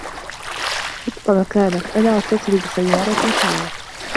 ابقَ مكانك. أنا أتّصل بسيّارة إسعاف.